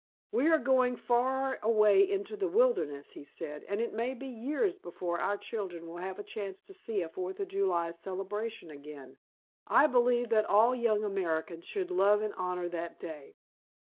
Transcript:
"We are going far away into the wilderness," he said, "and it may be years before our children will have a chance to see a Fourth of July celebration again. I believe that all young Americans should love and honor that day.